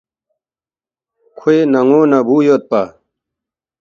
کھوے نن٘و نہ بُو یودپا